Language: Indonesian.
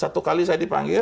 satu kali saya dipanggil